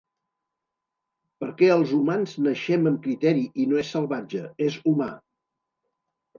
Perquè els humans naixem amb criteri i no és salvatge, és humà!